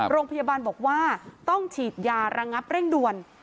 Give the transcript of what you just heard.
โรงพยาบาลบอกว่าต้องฉีดยาระงับเร่งด่วน